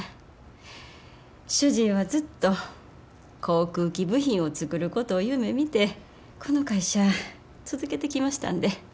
主人はずっと航空機部品を作ることを夢みてこの会社続けてきましたんで。